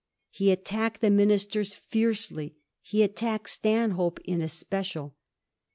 He attacked the Ministers fiercely ; he attacked Stanhope in especial.